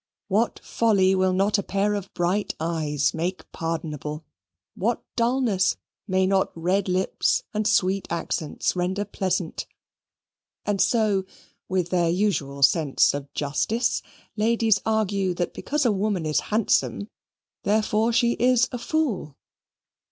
What folly will not a pair of bright eyes make pardonable? What dulness may not red lips and sweet accents render pleasant? And so, with their usual sense of justice, ladies argue that because a woman is handsome, therefore she is a fool.